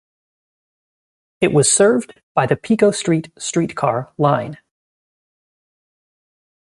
It was served by the Pico Street streetcar line.